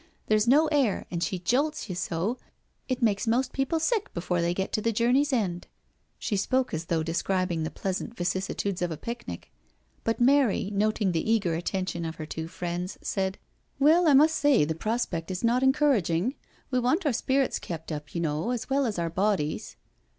There's no air, and she jolts you so, it makes most people sick before they get to the journey's end." She spoke as though describing the pleasant vicissitudes of a picnic. But Mary, noting the eager attention of her two friends, said: 86 NO SURRENDER •• Well, I must say the prospect is not encouraging. We want our spirits kept up, you know, as well as our bodies.